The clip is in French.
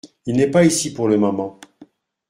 Il n’est pas ici pour le moment.